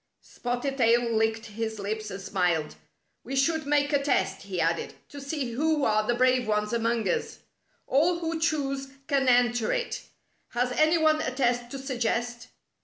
Spotted Tail licked his lips and smiled. "We should make a test," he added, "to see who are the brave ones among us. All who choose can enter it. Has any one a test to suggest?"